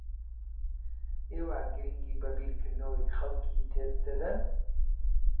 ئێوە گرنگی بە بیرکردنەوەی خەڵکی تر دەدەن؟